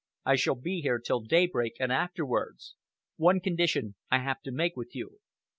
I shall be here till daybreak and afterwards. One condition I have to make with you."